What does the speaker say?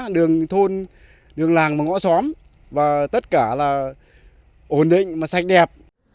đường thôn đường làng và ngõ xóm và tất cả là ổn định mà sạch đẹp